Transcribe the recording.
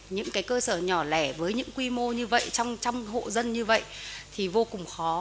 những cơ sở nhỏ lẻ với những quy mô như vậy trong hộ dân như vậy thì vô cùng khó